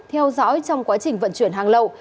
theo dõi trong quá trình vận chuyển hàng lậu